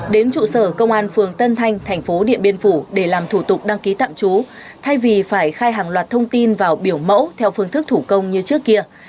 đến trụ sở công an phường tân thanh thành phố điện biên phủ để làm thủ tục đăng ký tạm trú thay vì phải khai hàng loạt thông tin vào biểu mẫu theo phương thức thủ công như trước kia